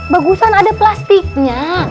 bagusan ada plastiknya